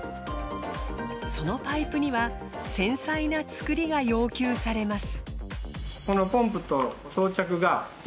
そのパイプには繊細な作りが要求されます。